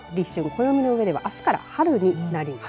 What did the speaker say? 暦の上ではあすから春になります。